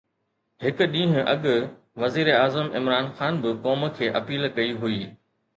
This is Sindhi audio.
هڪ ڏينهن اڳ وزيراعظم عمران خان به قوم کي اپيل ڪئي هئي